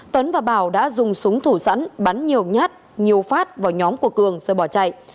tấn và bảo đã dùng súng thủ sẵn bắn nhiều nhát nhiều phát vào nhóm của cường rồi bỏ chạy